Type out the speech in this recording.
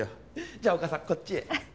じゃあお母さんこっちへ。